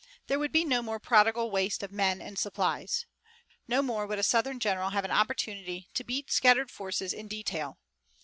There would be no more prodigal waste of men and supplies. No more would a Southern general have an opportunity to beat scattered forces in detail.